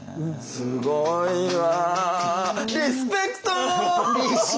すごいわ！